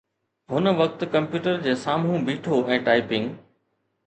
هن وقت ڪمپيوٽر جي سامهون بيٺو ۽ ٽائپنگ